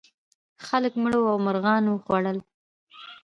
خلک مړه وو او مرغانو خوړل.